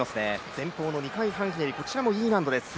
前方の２回半ひねり、こちらも高難度です。